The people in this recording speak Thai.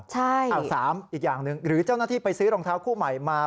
ใช่อ้าว๓อีกอย่างหนึ่งหรือเจ้าหน้าที่ไปซื้อรองเท้าคู่ใหม่มา